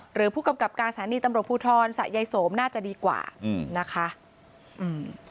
หรือผู้กำกับการสถานีตำรวจภูทรสะยายโสมน่าจะดีกว่าอืมนะคะอืม